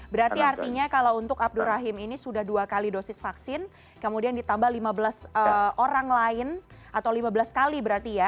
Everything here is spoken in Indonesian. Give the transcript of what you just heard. berarti artinya kalau untuk abdur rahim ini sudah dua kali dosis vaksin kemudian ditambah lima belas orang lain atau lima belas kali berarti ya